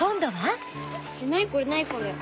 何これ何これ。